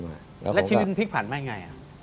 แล้วชิ้นผิกผันไหมไง